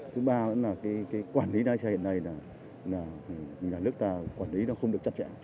thứ ba là cái quản lý lái xe hiện nay là lực ta quản lý nó không được chắc chẽ